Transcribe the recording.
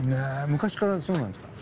昔からそうなんですか？